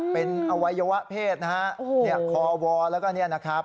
เป็นอวัยวะเพศนะฮะคอวอแล้วก็เนี่ยนะครับ